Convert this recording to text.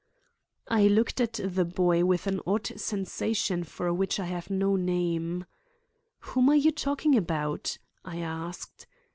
I looked at the boy with an odd sensation for which I have no name. "Whom are you talking about?" I asked.